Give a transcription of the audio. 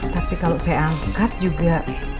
tapi kalau saya angkat juga